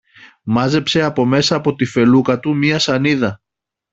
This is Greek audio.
Μάζεψε από μέσα από τη φελούκα του μια σανίδα